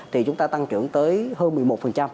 thì chúng ta tăng trưởng tới hơn một mươi một